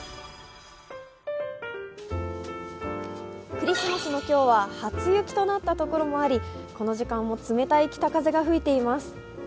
クリスマスの今日は初雪となったところもあり、この時間も冷たい北風が吹いています。